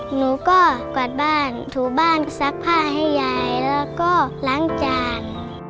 หนูก็กวาดบ้านถูบ้านซักผ้าให้ยายแล้วก็ล้างจาน